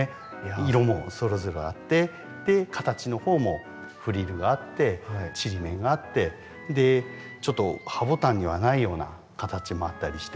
色もそれぞれあって形の方もフリルがあってちりめんがあってちょっとハボタンにはないような形もあったりして。